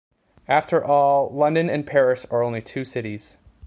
After all London and Paris are only two cities.